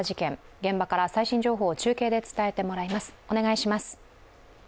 現場から最新情報を中継で伝えてもらいます。